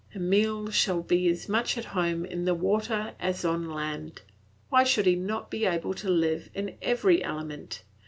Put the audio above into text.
Emile shall be as much at home in the water as on land. Why should he not be able to live in every element?